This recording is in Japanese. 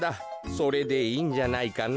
それでいいんじゃないかな？